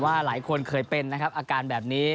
หลายคนเคยเป็นนะครับอาการแบบนี้